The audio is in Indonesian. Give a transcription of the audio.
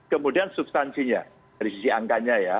kemudian substansinya dari sisi angkanya ya